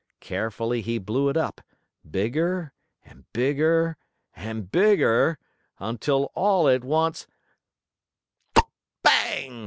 Carefully he blew it up, bigger and bigger and bigger, until, all at once: "Bang!"